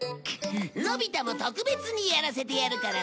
のび太も特別にやらせてやるからな。